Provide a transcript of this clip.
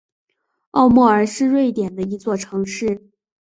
奥莫尔是瑞典的一座城市。